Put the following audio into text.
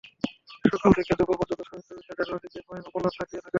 সকাল থেকে দুপুর পর্যন্ত সাবেক প্রেমিকার জানালার দিকে প্রায় অপলক তাকিয়ে থাকা।